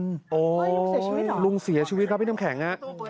โอ้โหเสียชีวิตเหรอลุงเสียชีวิตครับพี่น้ำแข็งฮะ